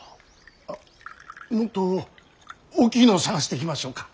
あっもっと大きいのを探してきましょうか。